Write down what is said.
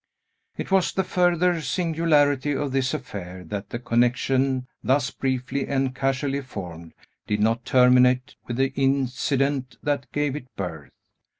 It was the further singularity of this affair, that the connection, thus briefly and casually formed, did not terminate with the incident that gave it birth.